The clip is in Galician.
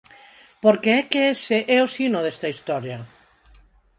Porque é que ese é o sino desta historia.